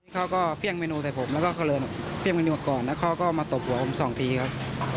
เขาก็เฟี่ยงเมนูเท่ากันผมและตบหวงผม๒ทีครับ